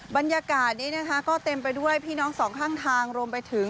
บรรยากาศนี้นะคะก็เต็มไปด้วยพี่น้องสองข้างทางรวมไปถึง